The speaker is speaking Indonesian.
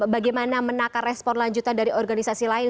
bagaimana menakar respon lanjutan dari organisasi lain